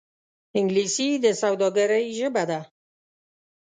انګلیسي د سوداگرۍ ژبه ده